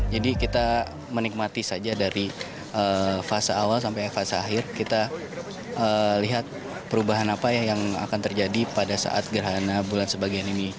jadi kita menikmati saja dari fase awal sampai fase akhir kita lihat perubahan apa yang akan terjadi pada saat gerhana bulan sebagian ini